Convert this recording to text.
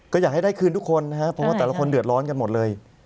ก็อยากให้ได้คืนทุกคนนะครับเพราะว่าแต่ละคนเดือดร้อนกันหมดเลย